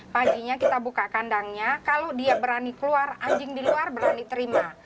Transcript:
paginya kita buka kandangnya kalau dia berani keluar anjing di luar berani terima